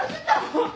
あっ！